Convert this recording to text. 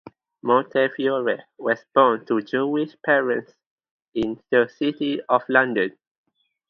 Montefiore was born to Jewish parents in the City of London.